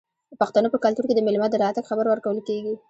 د پښتنو په کلتور کې د میلمه د راتګ خبر ورکول کیږي.